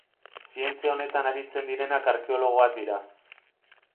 Zientzia honetan aritzen direnak arkeologoak dira.